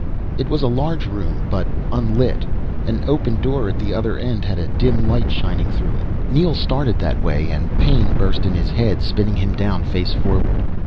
It was a large room, but unlit. An open door at the other end had a dim light shining through it. Neel started that way and pain burst in his head, spinning him down, face forward.